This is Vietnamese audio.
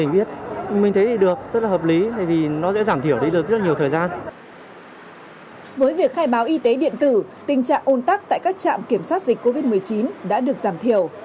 với việc khai báo y tế điện tử tình trạng ôn tắc tại các trạm kiểm soát dịch covid một mươi chín đã được giảm thiểu